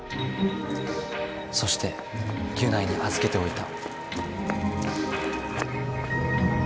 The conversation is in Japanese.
そしてギュナイにあずけておいた。